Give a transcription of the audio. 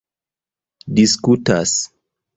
diskutas